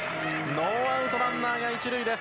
ノーアウト、ランナーが１塁です。